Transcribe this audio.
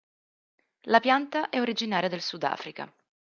La pianta è originaria del Sudafrica.